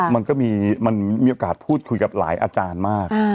มันก็มันมีโอกาสพูดคุยกับหลายอาจารย์มาก